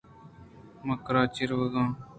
من کراچی ءَ روگ ءَ آں۔